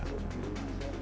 menurut tni polri